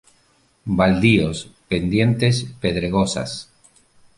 Baldíos, pendientes pedregosas.